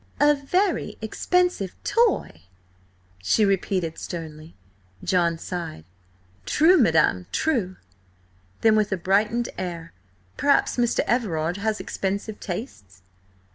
"A very expensive toy!" she repeated sternly. John sighed. "True, madam–true." Then with a brightened air: "Perhaps Mr. Everard has expensive tastes?"